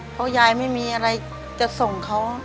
เพราะยายไม่มีอะไรจะส่งเขา